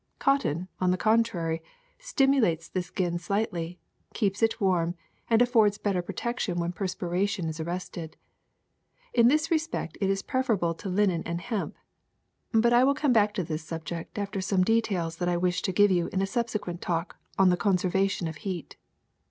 Cotton, on the contrary, stimulates the skin slightly, keeps it warm, and affords better protection when perspiration is ar rested. In this respect it is preferable to linen and hemp. But I will come back to this subject after some details that I wish to give you in a subsequent talk on the conservation of heat.